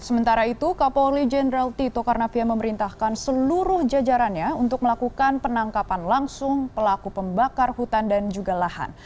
sementara itu kapolri jenderal tito karnavian memerintahkan seluruh jajarannya untuk melakukan penangkapan langsung pelaku pembakaran